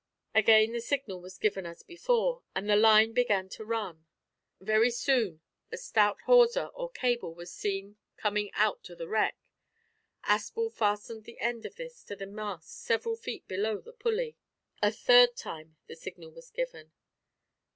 Again the signal was given as before, and the line began to run. Very soon a stout hawser or cable was seen coming out to the wreck. Aspel fastened the end of this to the mast several feet below the pulley. A third time the signal was given.